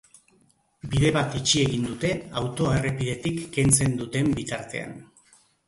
Bide bat itxi egin dute autoa errepidetik kentzen duten bitartean.